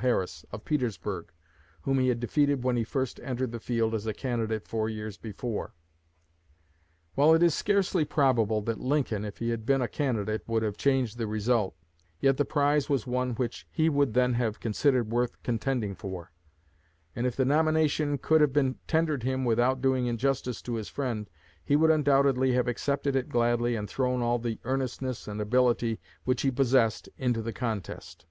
Harris, of Petersburg, whom he had defeated when he first entered the field as a candidate four years before. While it is scarcely probable that Lincoln, if he had been a candidate, could have changed the result, yet the prize was one which he would then have considered worth contending for; and if the nomination could have been tendered him without doing injustice to his friend, he would undoubtedly have accepted it gladly and thrown all the earnestness and ability which he possessed into the contest.